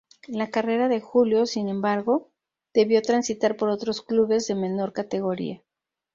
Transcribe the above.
La carrera de Julio, sin embargo, debió transitar por otros clubes de menor categoría.